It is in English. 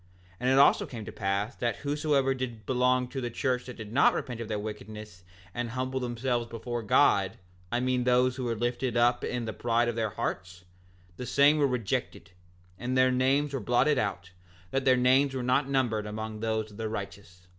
6:3 And it also came to pass that whosoever did belong to the church that did not repent of their wickedness and humble themselves before God—I mean those who were lifted up in the pride of their hearts—the same were rejected, and their names were blotted out, that their names were not numbered among those of the righteous.